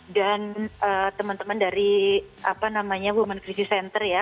dan teman teman dari women crisis center ya